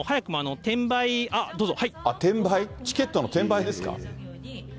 チケットの転売ですか？